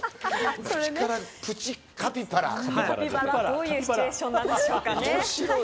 どういうシチュエーションなんでしょうかね。